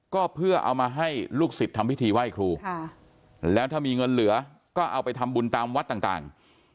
ก็เพื่อเอามาให้ลูกศิษย์ทำพิธีไหว้ครูแล้วถ้ามีเงินเหลือก็เอาไปทำบุญตามวัดต่าง